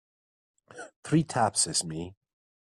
Three taps is me.